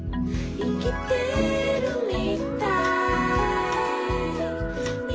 「いきてるみたい」